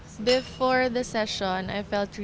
sebelum sesi ini saya merasa sangat berat